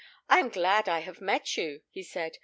I am glad I have met you," he said.